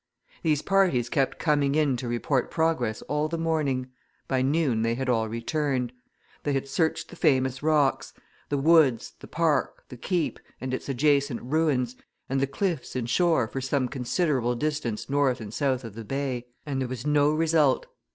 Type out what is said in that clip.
These parties kept coming in to report progress all the morning: by noon they had all returned. They had searched the famous rocks, the woods, the park, the Keep, and its adjacent ruins, and the cliffs and shore for some considerable distance north and south of the bay, and there was no result.